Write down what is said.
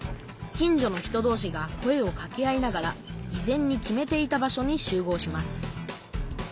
近所の人どうしが声をかけ合いながら事前に決めていた場所に集合します。